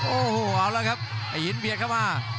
โอ้โหเอาละครับไอ้หินเบียดเข้ามา